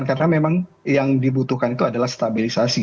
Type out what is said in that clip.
karena memang yang dibutuhkan itu adalah stabilisasi